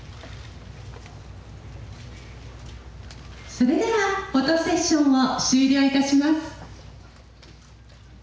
それではフォトセッションを終了いたします。